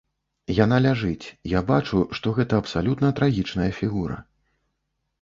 Яна ляжыць, я бачу, што гэта абсалютна трагічная фігура.